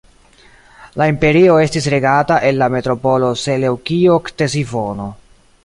La imperio estis regata el la metropolo Seleŭkio-Ktesifono.